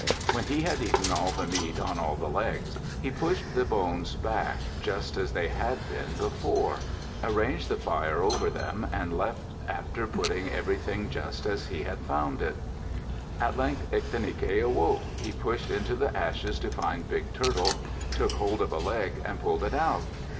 When he had eaten all the meat on all the legs, he pushed the bones back just as they had been before, arranged the fire over them, and left after putting everything just as he had found it. At length Ictinike awoke. He pushed into the ashes to find Big Turtle, took hold of a leg, and pulled it out.